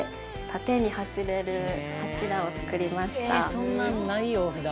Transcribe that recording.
「そんなんないよ普段」